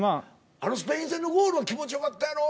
あのスペイン戦のゴールは気持ちよかったやろ。